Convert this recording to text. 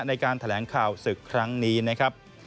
ในการแถลงข่าวศึกครั้งนี้นะครับ